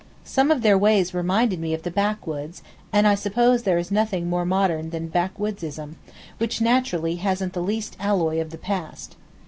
Some of their ways reminded me of the backwoods, and I suppose there is nothing more modern than backwoodsism, which naturally hasn't the least alloy of the past.